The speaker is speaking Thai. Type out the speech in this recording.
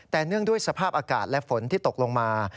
แต่เนื่องด้วยสภาพอากาศและฝนที่ตกลงมา